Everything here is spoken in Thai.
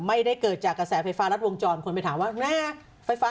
ไม่ได้เกิดจากกระแสไฟฟ้ารัดวงจรคนไปถามว่าหน้าไฟฟ้า